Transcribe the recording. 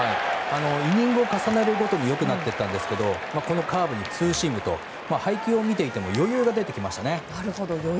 イニングを重ねるごとに良くなっていったんですけどこのカーブにツーシームと配球を見ていても余裕が出てきましたね。